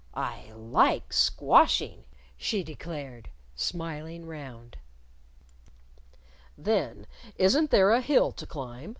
"I like squashing," she declared, smiling round. "Then isn't there a hill to climb?"